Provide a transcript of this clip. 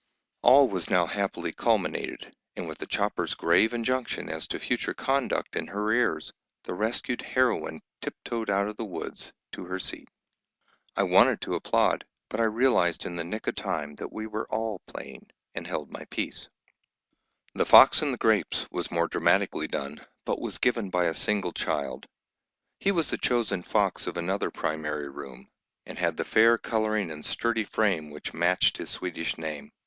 All was now happily culminated, and with the chopper's grave injunction as to future conduct in her ears, the rescued heroine tiptoed out of the woods, to her seat. I wanted to applaud, but I realised in the nick of time that we were all playing, and held my peace. [Illustration: HIAWATHA PICTURES] The Fox and the Grapes was more dramatically done, but was given by a single child. He was the chosen "fox" of another primary room, and had the fair colouring and sturdy frame which matched his Swedish name.